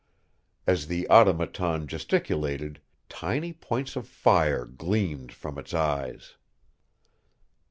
As the Automaton gesticulated, tiny points of fire gleamed from its eyes.